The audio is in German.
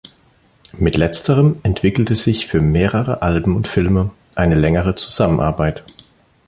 Mit letzterem entwickelte sich für mehrere Alben und Filme eine längere Zusammenarbeit.